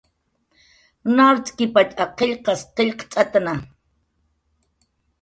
Nart'kipatx ak qillqas qillqt'atna